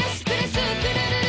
スクるるる！」